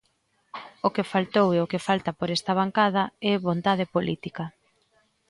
O que faltou e o que falta por esta bancada é vontade política.